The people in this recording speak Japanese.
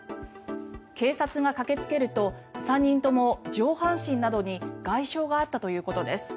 警察が駆けつけると３人とも上半身などに外傷があったということです。